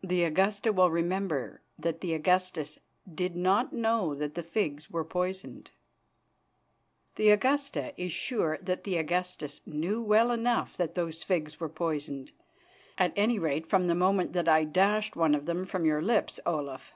"The Augusta will remember that the Augustus did not know that the figs were poisoned." "The Augusta is sure that the Augustus knew well enough that those figs were poisoned, at any rate from the moment that I dashed one of them from your lips, Olaf.